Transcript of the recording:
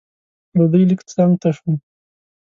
له دوی لږ څنګ ته شوم.